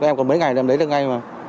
các em có mấy ngày